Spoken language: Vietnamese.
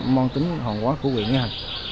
môn tính hòn quả của huyện nghĩa hành